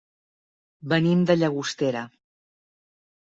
Venim de Llagostera.